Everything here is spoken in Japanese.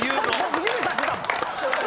指さしてたもん。